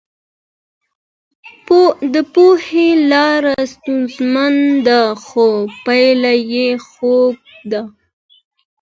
د پوهي لاره ستونزمنه ده خو پايله يې خوږه ده.